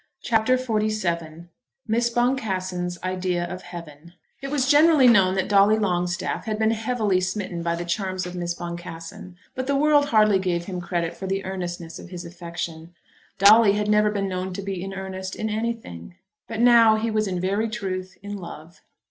CHAPTER XLVII Miss Boncassen's Idea of Heaven It was generally known that Dolly Longstaff had been heavily smitten by the charms of Miss Boncassen; but the world hardly gave him credit for the earnestness of his affection. Dolly had never been known to be in earnest in anything; but now he was in very truth in love.